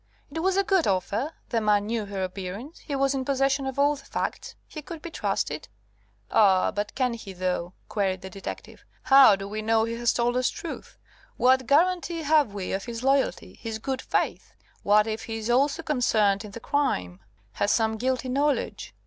It was a good offer, the man knew her appearance, he was in possession of all the facts, he could be trusted "Ah, but can he, though?" queried the detective. "How do we know he has told us truth? What guarantee have we of his loyalty, his good faith? What if he is also concerned in the crime has some guilty knowledge?